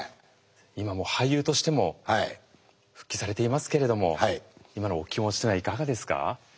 今も俳優としても復帰されていますけれども今のお気持ちというのはいかがですか？